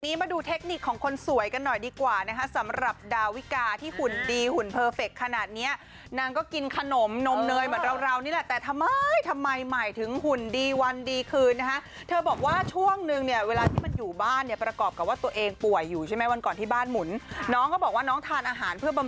มาดูเทคนิคของคนสวยกันหน่อยดีกว่านะคะสำหรับดาวิกาที่หุ่นดีหุ่นเพอร์เฟคขนาดเนี้ยนางก็กินขนมนมเนยเหมือนเราเรานี่แหละแต่ทำไมทำไมใหม่ถึงหุ่นดีวันดีคืนนะคะเธอบอกว่าช่วงนึงเนี่ยเวลาที่มันอยู่บ้านเนี่ยประกอบกับว่าตัวเองป่วยอยู่ใช่ไหมวันก่อนที่บ้านหมุนน้องก็บอกว่าน้องทานอาหารเพื่อบำ